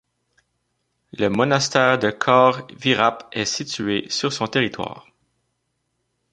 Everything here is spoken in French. Le monastère de Khor Virap est situé sur son territoire.